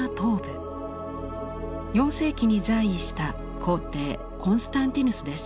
４世紀に在位した皇帝コンスタンティヌスです。